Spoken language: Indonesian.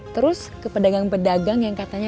terus ke pedagang pedagang yang katanya